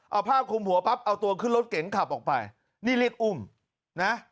เอาผ้าคุมหัวปั๊บเอาตัวขึ้นรถเก๋งขับออกไปนี่เรียกอุ้มนะ